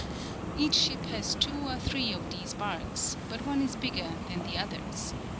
Each ship has two [or three] of these barks, but one is bigger than the others.